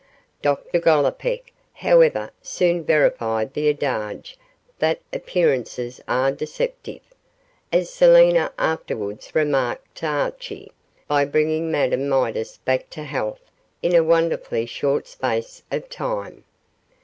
Dr Gollipeck, however, soon verified the adage that appearances are deceptive as Selina afterwards remarked to Archie by bringing Madame Midas back to health in a wonderfully short space of time.